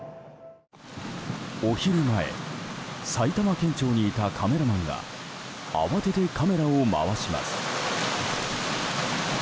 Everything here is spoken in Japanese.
お昼前、埼玉県庁にいたカメラマンが慌ててカメラを回します。